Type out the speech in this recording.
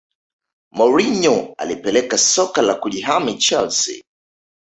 Mourinho alipeleka soka la kujihami chelsea